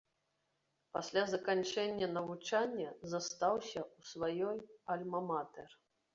Пасля заканчэння навучання застаўся ў сваёй альма-матэр.